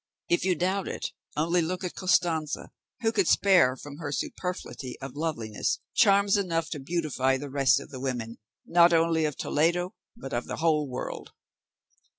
If you doubt it, only look at Costanza, who could spare from her superfluity of loveliness charms enough to beautify the rest of the women, not only of Toledo, but of the whole world."